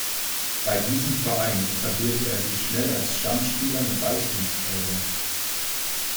Bei diesem Verein etablierte er sich schnell als Stammspieler und Leistungsträger.